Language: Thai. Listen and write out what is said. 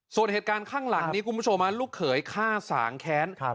ส่วนเหตุการณ์ข้างหลังนี้คุณผู้ชมลูกเขยฆ่าสางแค้น